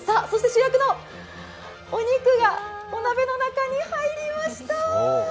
そして主役のお肉がお鍋の中に入りました。